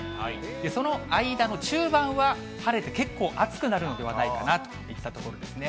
その間の中盤は晴れて結構暑くなるんではないかといったところですね。